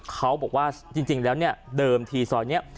เขาบอกว่าจริงแล้วเนี่ยเดิมทีซอยนี้